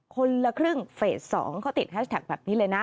คนละครึ่งเฟส๒เขาติดแฮชแท็กแบบนี้เลยนะ